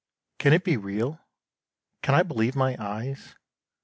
_) Can it be real? Can I believe my eyes?